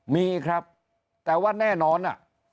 มีครับแต่ว่าแน่นอนอ่ะ